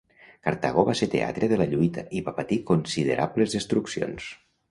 Cartago va ser teatre de la lluita i va patir considerables destruccions.